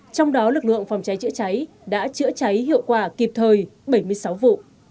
trong đó lực lượng phòng cháy chữa cháy đã chữa cháy hiệu quả kịp thời bảy mươi sáu vụ